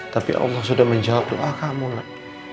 tapi allah sudah menjawab doa kamu nak